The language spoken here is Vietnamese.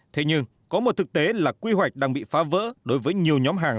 thế nhưng có một thực tế là quy hoạch đang bị phá vỡ đối với nhiều nhóm hàng